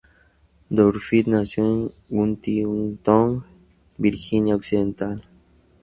Dourif nació en Huntington, Virginia Occidental.